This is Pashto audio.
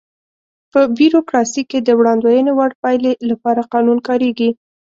په بیوروکراسي کې د وړاندوينې وړ پایلې لپاره قانون کاریږي.